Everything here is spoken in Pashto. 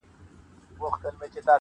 یوه ورځ به د ښکاري چړې ته لویږي -